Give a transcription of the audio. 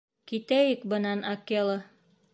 Китәйек бынан, Акела.